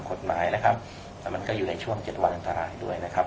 กฎหมายนะครับแล้วมันก็อยู่ในช่วง๗วันอันตรายด้วยนะครับ